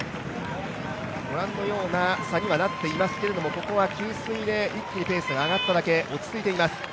ご覧のような差になってますけど、給水で一気にペースが上がっただけ、落ち着いています。